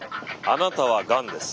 あなたはがんです。